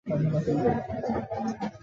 同年十月派在大门当差。